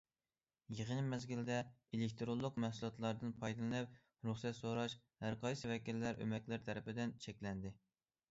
يىغىن مەزگىلىدە ئېلېكتىرونلۇق مەھسۇلاتلاردىن پايدىلىنىپ، رۇخسەت سوراش ھەر قايسى ۋەكىللەر ئۆمەكلىرى تەرىپىدىن چەكلەندى.